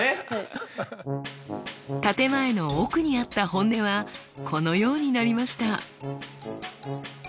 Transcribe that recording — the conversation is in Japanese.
建て前の奥にあった本音はこのようになりました。